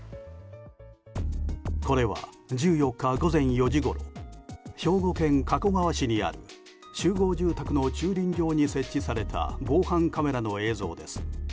これは１４日午前４時ごろ兵庫県加古川市にある集合住宅の駐輪場に設置された防犯カメラの映像です。